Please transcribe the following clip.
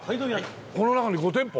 この中に５店舗？